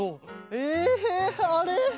えっあれ？